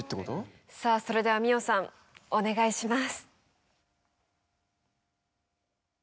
さぁそれでは美音さんお願いします。